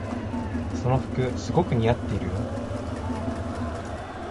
その服すごく似合ってるよ。